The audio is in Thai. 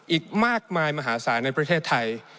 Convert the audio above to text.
อีกมากมายมหาศาลในประเทศไทย